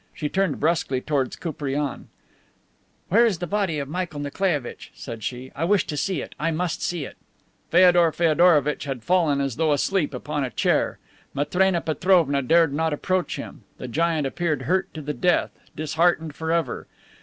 She turned brusquely toward Koupriane: "Where is the body of Michael Nikolaievitch?" said she. "I wish to see it. I must see it." Feodor Feodorovitch had fallen, as though asleep, upon a chair. Matrena Petrovna dared not approach him. The giant appeared hurt to the death, disheartened forever.